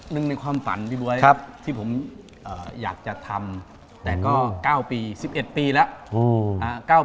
หนึ่งในความฝันพี่บ๊วยที่ผมอยากจะทำแต่ก็๙ปี๑๑ปีแล้ว